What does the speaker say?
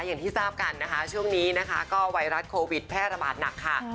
อย่างที่ทราบกันนะคะช่วงนี้นะคะก็ไวรัสโควิดแพร่ระบาดหนักค่ะ